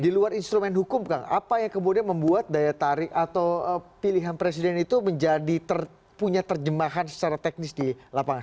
di luar instrumen hukum kang apa yang kemudian membuat daya tarik atau pilihan presiden itu menjadi punya terjemahan secara teknis di lapangan